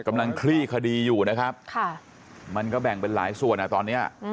กำลังคลี่คดีอยู่นะครับค่ะมันก็แบ่งเป็นหลายส่วนอ่ะตอนนี้